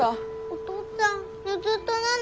お父っつぁんぬすっとなの？